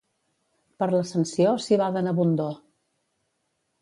Per l'Ascensió, civada en abundor.